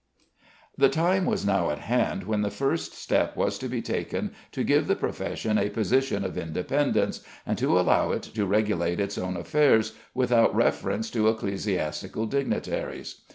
The time was now at hand when the first step was to be taken to give the profession a position of independence, and to allow it to regulate its own affairs without reference to ecclesiastical dignitaries.